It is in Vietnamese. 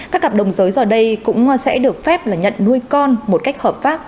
các cặp đồng giới giờ đây cũng sẽ được phép là nhận nuôi con một cách hợp pháp